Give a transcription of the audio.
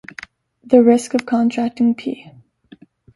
The risk of contracting 'P.